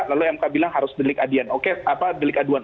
lalu mk bilang harus belik aduan